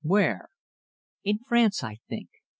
"Where?" "In France, I think.